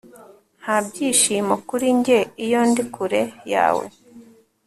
nta byishimo kuri njye iyo ndi kure yawe